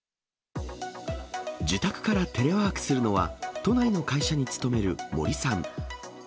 自宅からテレワークするのは、都内の会社に勤める森さん。